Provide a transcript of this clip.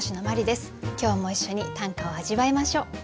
今日も一緒に短歌を味わいましょう。